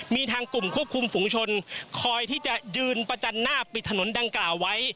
มีทางกลุ่มควบคุมฝุงชนคอยที่จะยืนประจันหน้าปิดถนนดังกล่าวไว้